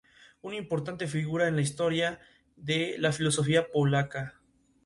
Presumiblemente, recogió información para sus captores.